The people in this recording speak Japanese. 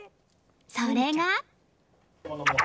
それが。